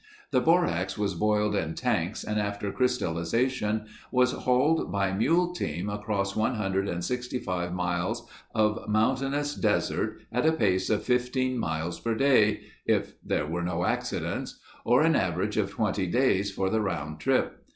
The borax was boiled in tanks and after crystallization was hauled by mule team across one hundred and sixty five miles of mountainous desert at a pace of fifteen miles per day—if there were no accidents—or an average of twenty days for the round trip.